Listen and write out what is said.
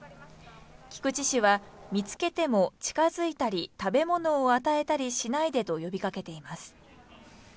菊池市は見つけても近づいたり食べ物を与えたりしないでと呼びかけています。